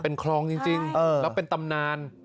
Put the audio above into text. เป็นคลองจริงแล้วเป็นตำนาน